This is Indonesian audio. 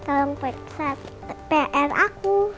tolong pesat pr aku